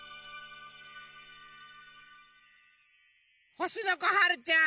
ほしのこはるちゃん！